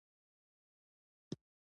ته ولي زما احساس نه درکوې !